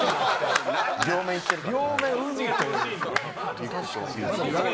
両面行ってるからな。